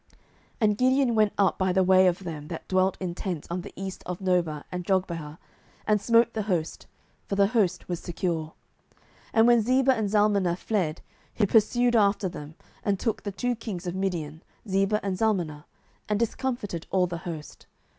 07:008:011 And Gideon went up by the way of them that dwelt in tents on the east of Nobah and Jogbehah, and smote the host; for the host was secure. 07:008:012 And when Zebah and Zalmunna fled, he pursued after them, and took the two kings of Midian, Zebah and Zalmunna, and discomfited all the host.